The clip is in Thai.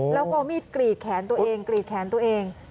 แล้วก็เอามีดกรีดแขนตัวเอง